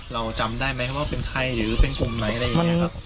เราจำได้ไหมว่าเป็นใครหรือเป็นกลุ่มไหม